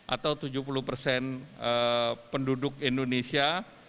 atau tujuh puluh persen penduduk indonesia